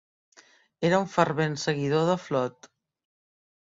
Era un fervent seguidor de Flood.